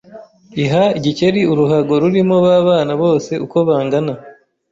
iha igikeri uruhago rurimo ba bana bose uko bangana